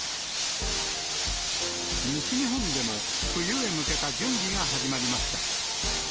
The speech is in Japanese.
西日本でも冬へ向けた準備が始まりました。